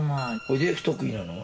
で不得意なのは？